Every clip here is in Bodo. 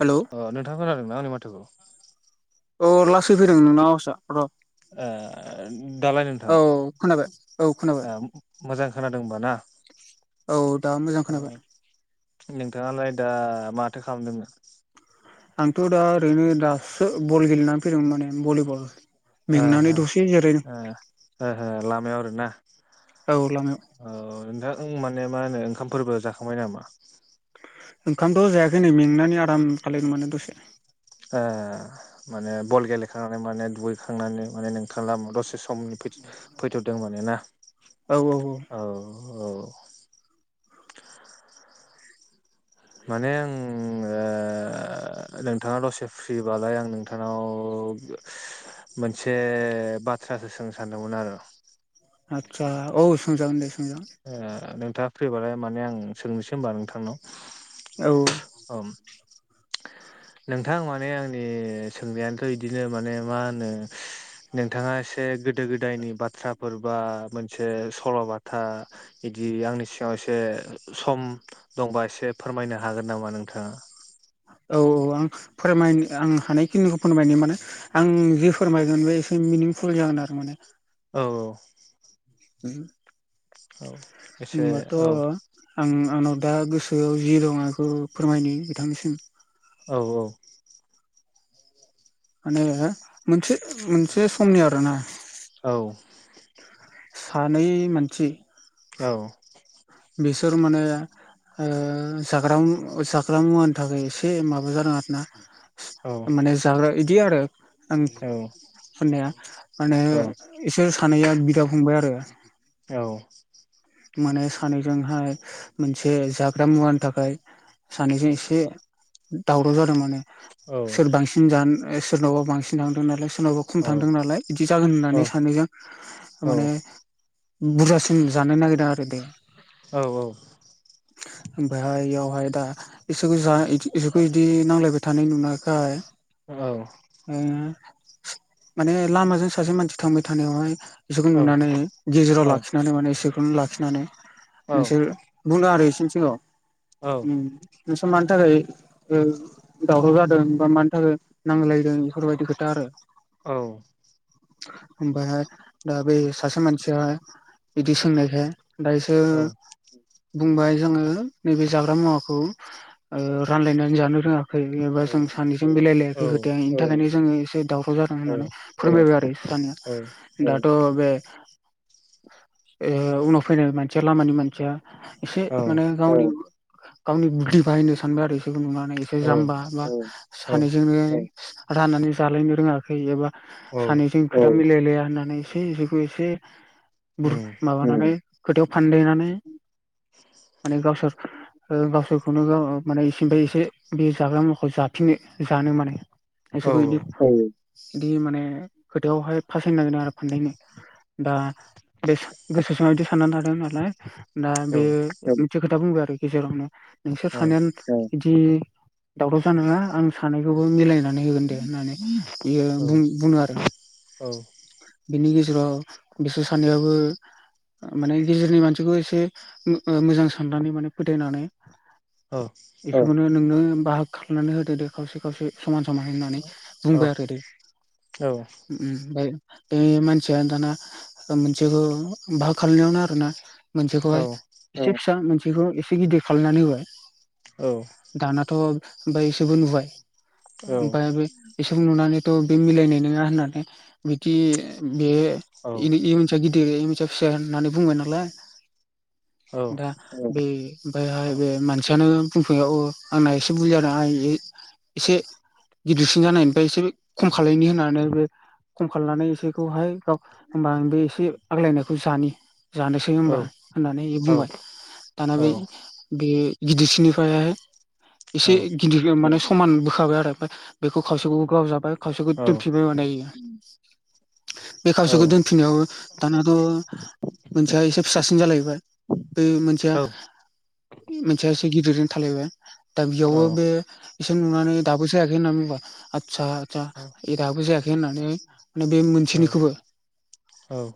हेलौ अ नोंथांङा खोनादों ना आंनि माथोखौ? अ लासै फैदों नोंना आवासा र'! ए,, दालाय नोंथां औ खोनाबाय औ खोनाबाय मोजां खोनादोंंबा ना।? औ दा मोजां ओ खोनाबाय। नोंथाङालाय दा माथो खालामदोंनो? आंथ' दा ओरैनो दासो बल गेलेनानै फैदोंमोन माने भलिबल! ह ह मेंनानै दसे जिरायदों ह लामायाव आरे ना? औ लामायाव औ! नोंथां माने मा होनो ओंखामफोरबो जाखांबाय नामा? ओंखामथ' जायाखै नै मेंनानै आराम खाालामदों माने दसे। आ,, माने बल गेलेखांनानै माने दुगैखांनानै माने नोंथांङा दसे समनि,, फैथ'दों माने'ना? औ औ! औ माने आं नोंथाङा दसे फ्रिबालाय आं नोंथांनाव मोनसे बाथ्रासो सोंनो सानदोंमोन आरो आतसा औ सोंजागोन दे सोंजागोन नोंथाङा फ्रिबालाय माने आं सोंनोसै होमबा नोंथांनाव औ ओम नोंथां माने आंनि सोंनायानोथ' बिदिनो माने मा होनो नोंथाङा एसे गोदो गोदायनि बाथ्राफोर बा मोनसे सल'बाथा बिदि आंनि सिगाङाव एसे सम दंबा एसे फोरमायनो हागोन नामा नोंथाङा औ औ आ फोरमायनो आं हानायखिनिखौ फोरमायनो माने आं जि फोरमायगोन बे एसे मिनिंफुल जागोन आरो माने औ [inaudible] औ एसे होनबाथ' औ आं आंनाव दा गोसो गोआव जि दं आंखौ फोरमायनो बिथांनिसिम औ औ माने मोनसे मोनसे समनि आरोना औ सानै मानसि औ बिसोर माने जाग्रा जाग्रा मुवानि थाखाय एसे माबा जादों आरोना औ माने जाग्रा इदि आरो आं साननाया माने औ बिसोर सानैया बिदा फंबाय आरो औ हाय मोनसे जाग्रा मुवानि थाखाय सानैजों एसे दावराव जादों माने औ सोर बांसिन जानो एसे सोरनवबा बांसिन थांदों नालाय। सोरनावबा खम औ थांदों नालाय बिदि जागोन होननानै औ सानो जों माने बुरजासिन जानो नागिरदों आरो दै। औ औ। [inaudible] ओमफ्रायहाय बेयावहाय दा बिसोरखौ जा बिसोरखौ बिदि नांलायबाय थानाय नुनायखाय औ ओ माने लामाजों सासे मानसि थांबाय थानायावहाय बिसोरखौ नुनानै गेजेराव लाखिनानै माने इसोरखौनो लाखिनानै नोंसोर बुङो आरो। मिथिगौ उम नोंसोर मानि थाखाय ओ दावराव जादों बा मानि थाखाय नांजलायदों बेफोरबायदि खोथा आरो। औ। ओमफ्रायहाय दा बै सासे मानसियाहाय बिदि सोंनायखाय दायोसो बुंबाय जोङो नैबे जाग्रा मुवाखौ रानलायनानै जानो रोङाखै फै एबा जों सानैजों मिलायलायाखै खोथाया बेनि थाखायनो जोङो एसे दावराव जादों होननानै फोरमायबाय आरो इसोर सानैया सानैया। दाथ' बेनि उनाव फैनायनि मानसिया लामानि मानसिया एसे माने गावनि गावनि बुदि बाहायनो सानबाय आरो एसेखौ नुनानै एसे जाम्बा बा सानैजोंनो राननानै जालायनो रोङाखै एबा सानैजों बि मिलायलाया होननानै एसे बिखौ एसे माबानानै खोथायाव फानदेनानै माने गावसोर ओ गावसोरखौनो गाव माने इसेनिफ्राय एसे बे जाग्रा मुवाखौ जाफिनो जानो माने बिसोरखौ इदिनो औ बिदि माने खोथायावहाय फासायनो नागिरदों आरो फान्दायनो दा बे गोसो सिंआव इदि साननानै थादों नालाय दा बे खोथा बुंबाय आरो गेजेरावनो नोंसोर सानैआनो इदि दावराव जानाङा आं सानैखौबो मिलायना नानै होगोनदे होननानै बियो बुङो आरो। बिनि गेजेराव बिसोर सानैयाबो माने गेजेरनि मानसिखौ एसे मोजां साननानै माने फोथायनानै बेखौनो नोंनो बाहाग खालामनानै होदो दे खावसे खावसे समान समान होननानै बुंबाय आरो दै ओम बाय बे मानसिया दाना मोनसेखौ बाहाग खालायनायावनो आरोना मोनसेखौहाय एसे फिसा मोनसेखौ एसे गिदिर खालायनानै होबाय दानाथ' ओमफाय इसोरबो नुबाय। ओमफ्राय बे जों नुनानैथ' बे मिलायनाय नङा होननानै बिदि बे इ मोनसेया गिदिर इ मोनसेया फिसा होननानै बुंबाय नालाय दा बे बेहाय बे मानसियानो बुंफैनायाव आंना एसे बुरजि जादों आं एसे गिदिरसिन जानायनिफ्राय एसे खम खालायनि होनानै बे खम खालायनानै एसेखौहाय गाव होमबा आं बे एसे आग्लायनायखौ जानि जानोसै ओमबा होननानै इयो बुंबाय। दाना बे बेयो गिदिरसिननिफ्राय एसे गिदिर माने समान बोखाबाय आरो ओमफाय बेखौ खावसेखौ गाव जाबाय खावसेखौ दोनफिनबाय माने इयो बे खावसेखौ दोनफिननायाव दानाथ' मोनसेया इसे फिसासिन जालायो बै मोनसेया मोनसेया एसे गिदिर थालायबाय दा बेयावबो बे इसे नुनानै दाबो जायाखै बुंबा आतसा आतसा दाबो जायाखै होननानै माने बे मोनसेनिखौबो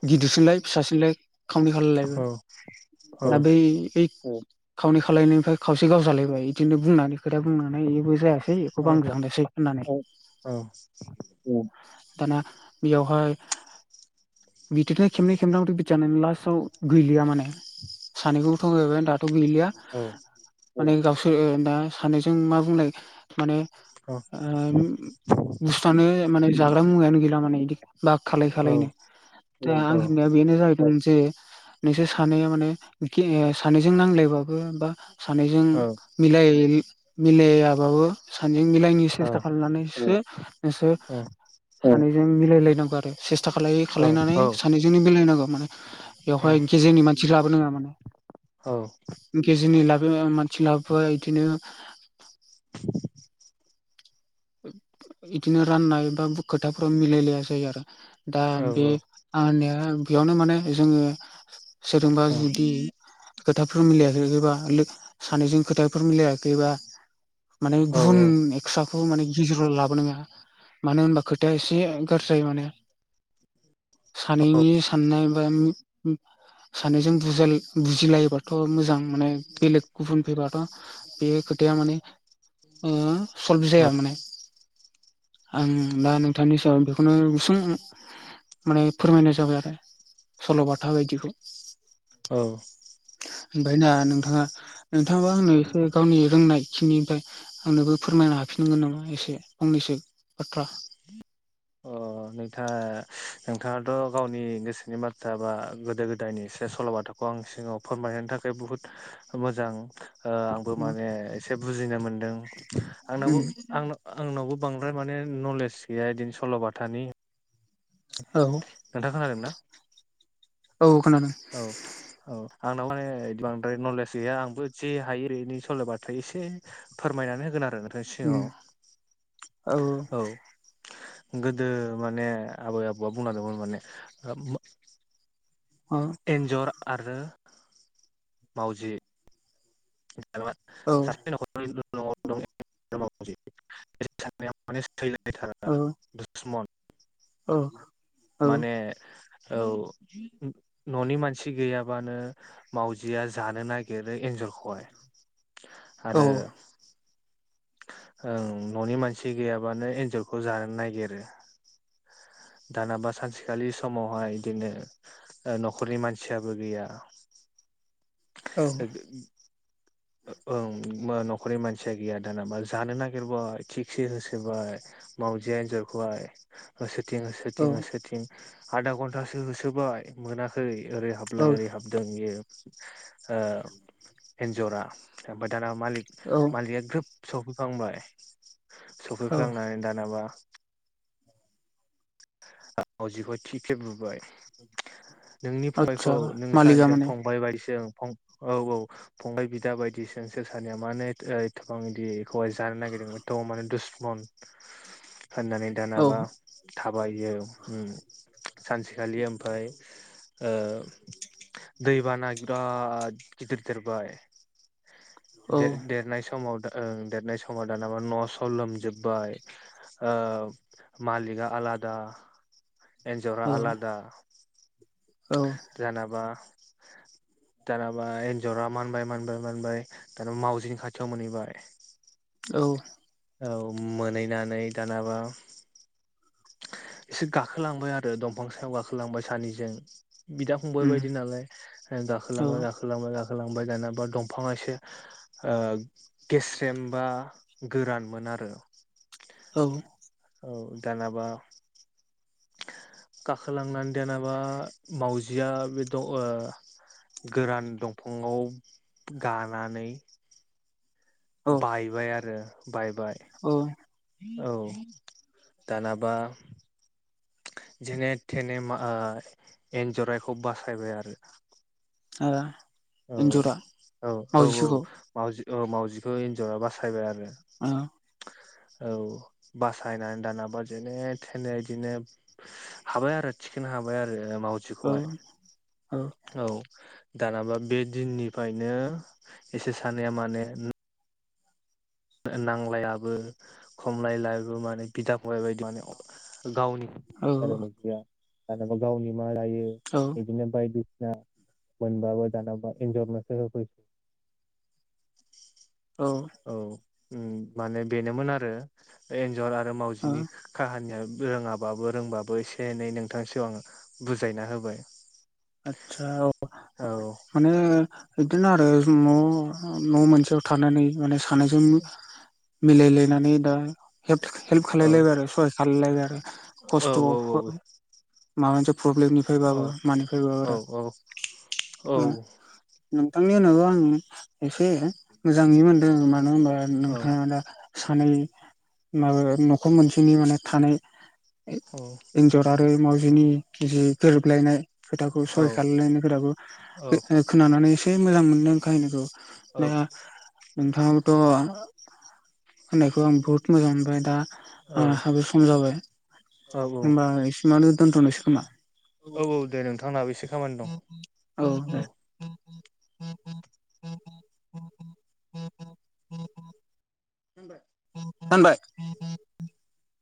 गिदिरसिनलाय फिसासिनलाय खावनै खालायलायबाय दा बै खावनै खालायनायनिफ्राय खावसे गाव जालायबाय बिदिनो बुंनानै खोथा बुंनानै इबो जायासै इखौ बो आं जानोसै होननानै दाना बेयावहाय बिदिनो खेबनै खेबथाम रिपित जानानै लासाव गैलिया माने सानैखौबो थ'गायबाय दाथ' गैलिया औ माने गावसोर दा सानैजों मा बुंनाय माने अ ओ बुस्थुआनो माने जाग्रा मुवायानो गैला माने इदि बाग खालाय खालायनो दा आं होननाया बेनो जाहैदों जे नोंसोर सानैया माने ओ सानैजों नांज्लायबाबो बा सानैजों मिलाय मिलायाबाबो सानैजों मिलायनो सेस्था खालामनानैसो नोंसोर सानैजों मिलायलायनांगौ आरो। आसा खालायै खालायनानै सानैजोंनो मिलायनांगौ माने बेवहाय गेजेरनि मानसि लाबो नाङा माने गेजेरनि ला मानसि लाबोबा इदिनो [inaudible] इदिनो राननाय बा खोथाफोराव मिलायलाया जायो आरो। दा बे आंनि बेयावनो माने जोङो सोरजोंबा जुदि खोथाफोर मिलायाखैैबा सानैजों खोथाफोर मिलायाखैबा माने घुुन एकसा माने गेजेराव लाबोनाया मानो होनबा खोथाया एसे गाज्रि जायो माने सानैनि साननाय बा सानैजों बुजाले बुजिलायोबाथ' मोजां। माने बेलेग गुबुन फोराथ' बे खोथाया माने बिदिनो [unintelligible] जाया माने आं दा नों थांनि सायाव बेखौनो गुसुं माने फोरमायनाय जाबाय आरो। सल'बाथा बायदिखौ औ ओमफ्राय ना नोंथाङा नोंथाङाबो आंनो एसे गावनि रोंनाय खिनिनिफ्राय आंनोबो फोरमायनो हाफिनगोन नामा एसे फंनैसो बाथ्रा? अ नोंथाङा नोंथाङाथ' गावनि गोसोनि बाथ्रा बा गोदो गोदायनि सल' बाथाखौ आं सिगाङाव फोरमायहनो थाखाय बुहुत मोजां ओ आंबो माने एसे बुजिनो मोनदों आंनावबो उम आंनाव आंनावबो बांद्राय माने नलेज गैया बिदिनो सल'बाथानि औ नोंथां खोनादों ना? औ खोनादों। औ औ आंनाव माने बांद्राय नलेज गैया आंबो जे हायो ओरैनो सलायबाथाय एसे फोरमायनानै होगोन आरो। नोंनि उम सिगाङाव औ औ। गोदो माने आबै आबौआ बुंलांदोंमोन माने एन्जर आरो मावजि [unintelligible] [unintelligible] औ माने औ न'नि मानसि गैयाबानो मावजिया जानो नागिरो एन्ज एन्जरखौ हाय आरो ओं न'नि मानसि गैयाबानो एन्जरखौ जानो नायगिरो। दानाबा सानसेखालि समावहाय बिदिनो। न'खरनि मानसियाबो गैया। ओं न'खरनि मानसिया गैया दानाबा जानो नागिरबाय थिगसे होसोबाय। मावजिआ एन्जरखौहाय होसो थिं होसो औ थिं होसो थिं आधा घन्टासो होसोबाय मोनाखै। ओरै हाबलाय ओरै हाबदों बेयो ओ एन्जरा दाना मालिक औ मालिकआ ग्रोब सफैफ्लांबाय औ। सफैफ्लांनानै दानाबा मावजिखौ थिगसे बुबाय। नोंनि फंबायखौ आतसा नोंसोर मालिका सानैजों माने फंबाय बायदिसो औ औ फंबाय बिदा बायदिसो नोंसोर सानैया मानो एथबां बिदि एखौहाय जानो नागिर थ मानो दुसमन होननानै औ दानाबा थाबाय बियो सानसेखालि ओमफ्राय ओ दैबाना बिराद गिदिर देरबाय। औ दे-देरनाय समाव द ओं देरनाय समाव दानाबा न'स' लोमजोब्बाय मालिका आला दा एन्जरा औ आलादा- जेनाबा [inaudible] दानाबा एन्जरा मानबाय मानबाय मानबाय दानाबा मावजिनि खाथियाव मोनहैबाय। औ औ मोनहैनानै दानाबा एसे गाखोलांबाय आरो दंफां सायाव गाखोलांबाय सानैजों बिदा फंबाय उम बायदि नालाय औ गाखोलांबाय गाखोलांबाय गाखो लांबाय दाना बा दंफांआ एसे गेस्रेम बा गोरान मोना आरो औ औ दानाबा। गाखोलांनानै दानाबा मावजिया बे दं गोरान दंफाङाव गानानै औ बायबाय आरो बायबाय। औ दानाबा। जेने थेने एन्जराइखौ बासायबाय आरो ए। औ औ औ औ मावउजि औ मावउजिखौ एन्जरआ बासायबाय आरो। अ। औ बासायनानै दानाबा जेने थेने बिदिनो हाबाय आरो थिखनो। हाबाय आरो औ मावजिखौहाय। औ दानाबा बे दिननिफ्रायनो एसे सानै माने नांलायाबो खमलायलाबो माने बिदा फंबाय बायदि माने गावनि औ [inaudible] मोनबाबो दानाबा एनजरनोसो होफैयो। ओ औ माने बेनोमोन आरो। एनजर आरो मावजिनि खाहानिया ब रोङाबाबो रोंबाबो एसे एनै नोंथांनि सिगांयाव आं बुजायना होबाय। आतसा औ औ माने बिदिनो आरो न' न' मोनसेयाव थानानै माने सानैजों मिलाय लायनानै दा। हेल्प औ खालामलायबाय आरो सहाय खालामाय लायबाय आरो औ खस्थ' माबा मोनसे औ प्रब्लेमनिफ्रायबाबो मानिफ्रायबाबो औ आरो औ बिथांनि उनावबो आं एसे मोजाङै मोनदों मानो होनबा औ नोंथाङा दा सानै माबा न'खर मोनसेनि माने थानाय एन्जर आरो मावजिनि जि गोरोब लायनाय खोथाखौ सहाय खालामनायनि खोथाखौ खोनानानै एसे मोजां मोनो खाहानिखौ नङा नोंथांआबोथ' आं बहुत मोजां मोनबाय दा औ आंहाबो सम जाबाय। औ होमबा बिसिमावनो दोनथ'नोसै खोमा। औ औ दे नोंथांनाबो खामानि दं औ दे। [inaudible] [inaudible] दानबाय। [inaudible]